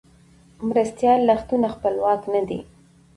مرستیال لغتونه خپلواک نه دي.